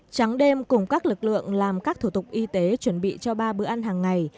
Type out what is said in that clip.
trắng đêm cùng các lực lượng làm các thủ tục y tế chuẩn bị cho ba bữa ăn hàng ngày